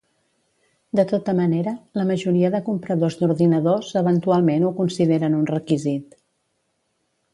De tota manera, la majoria de compradors d'ordinadors eventualment ho consideren un requisit.